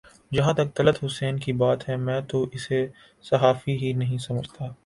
جہاں تک طلعت حسین کی بات ہے میں تو اسے صحافی ہی نہیں سمجھتا